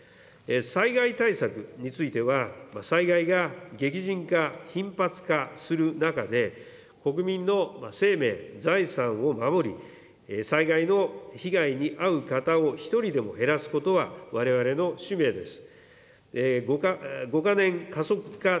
災害対策については、災害が激甚化、頻発化する中で、国民の生命、財産を守り、災害の被害に遭う方を一人でも減らすことは、われわれの使命です。